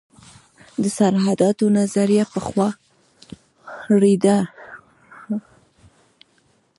د سرحداتو نظریه پخوا ردېده.